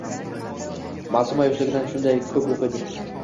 — Maʼsuma yoshligidan shunday: koʼp oʼqiydi.